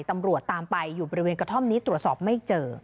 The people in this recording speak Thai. ตำรวจตามไปอยู่บริเวณกระท่อมนี้ตรวจสอบไม่เจอ